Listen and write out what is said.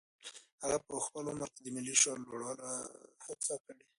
هغه په خپل عمر کې د ملي شعور لوړولو هڅې کړي.